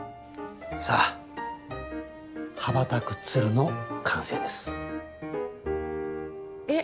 さあ羽ばたく鶴の完成ですえっ